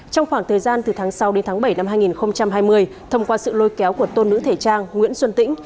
trong khoảng thời gian từ tháng sáu đến tháng bảy năm hai nghìn hai mươi thông qua sự lôi kéo của tôn nữ thể trang nguyễn xuân tĩnh